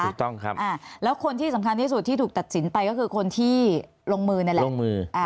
ถูกต้องครับแล้วคนที่สำคัญที่สุดที่ถูกตัดสินไปก็คือคนที่ลงมือนั่นแหละลงมือ